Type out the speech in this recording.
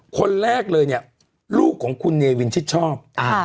คนแรกเลยเนี่ยลูกของคุณเนวินชิดชอบ